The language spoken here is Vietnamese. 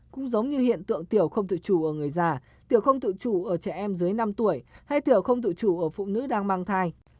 cũng giống như hiện tượng tiểu không tự chủ ở người già tiểu không tự chủ ở trẻ em dưới năm tuổi hay tiểu không tự chủ ở phụ nữ đang mang thai